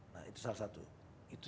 nah itu salah satu